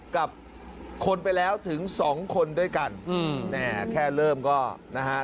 กับคนไปแล้วถึงสองคนด้วยกันอืมแม่แค่เริ่มก็นะฮะ